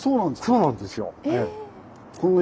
そうなんですよ。